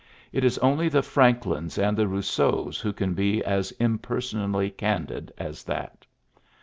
It is only the Franklins and the Bousseaus who can be as impersonally candid as that.